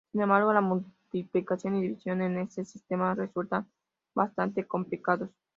Sin embargo la multiplicación y división en este sistema resultan bastante complicados.